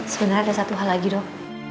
sebenarnya ada satu hal lagi dok